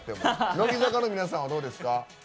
乃木坂４６の皆さんはどうですか？